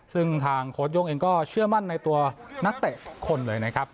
ซึ่งทางโค้ชโย่งเองก็เชื่อมั่นในตัวนักเตะคนเลยนะครับ